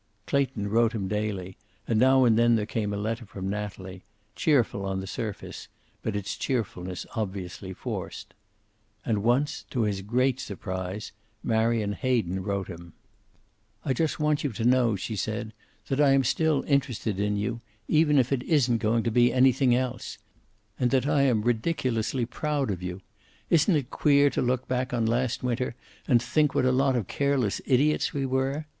Clayton wrote him daily, and now and then there came a letter from Natalie, cheerful on the surface, but its cheerfulness obviously forced. And once, to his great surprise, Marion Hayden wrote him. "I just want you to know," she said, "that I am still interested in you, even if it isn't going to be anything else. And that I am ridiculously proud of you. Isn't it queer to look back on last Winter and think what a lot of careless idiots we were?